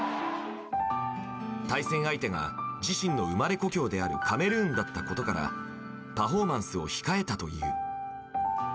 対戦相手が自身の生まれ故郷であるカメルーンだったことからパフォーマンスを控えたという。